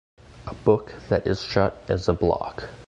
A book that is shut is a block.